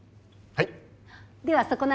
・はい。